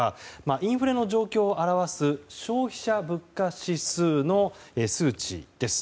インフレの状況を表す消費者物価指数の数値です。